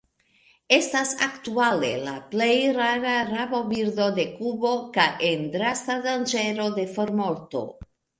Estas aktuale la plej rara rabobirdo de Kubo, kaj en drasta danĝero de formorto.